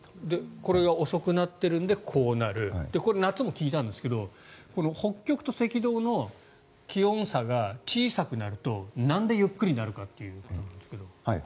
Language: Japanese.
これが遅くなっているのでこうなるこれ、夏も聞いたんですが北極と赤道の気温差が小さくなるとなんでゆっくりになるかということなんですが。